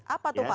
apa tuh pak